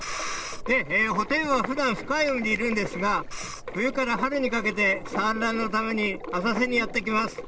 で、ホテイウオはふだん深い海にいるんですが、冬から春にかけて、産卵のために浅瀬にやって来ます。